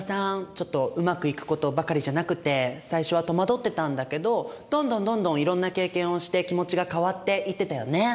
ちょっとうまくいくことばかりじゃなくて最初は戸惑ってたんだけどどんどんどんどんいろんな経験をして気持ちが変わっていってたよね。